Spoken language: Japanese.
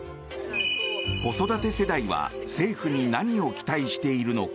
子育て世代は政府に何を期待しているのか。